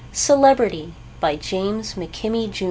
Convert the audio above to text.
_ CELEBRITY By James McKimmey, Jr.